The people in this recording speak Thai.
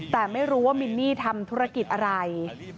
แต่ไม่รู้ว่ามินนี่ทำธุรกิจอะไร